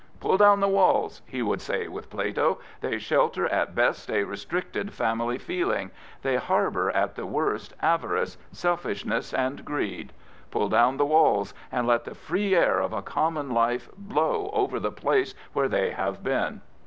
" Pull down the walls," he would say with Plato: "they shelter at best a restricted family feeling; they harbour at the worst avarice, selfishness, and greed. Pull down the walls and let the free air of a common life blow over the place where they have been."